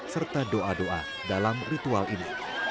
serta doa doa dalam ritual ini